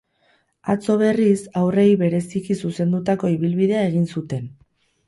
Atzo, berriz, haurrei bereziki zuzendutako ibilbidea egin zuten.